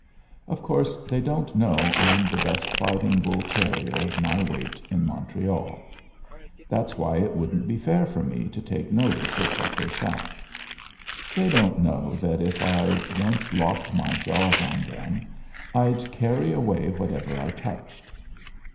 Of course they don't know I'm the best fighting bull terrier of my weight in Montreal. That's why it wouldn't be fair for me to take notice of what they shout. They don't know that if I once locked my jaws on them I'd carry away whatever I touched.